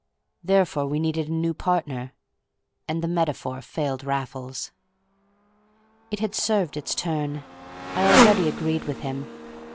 Therefore we needed a new partner—and the metaphor failed Raffles. It had served its turn. I already agreed with him.